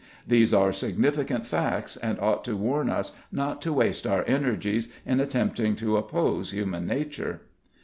These are significant facts, and ought to warn us not to waste our energies in attempting to oppose human nature.